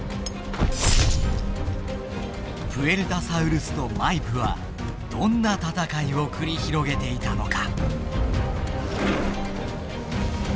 プエルタサウルスとマイプはどんな戦いを繰り広げていたのか。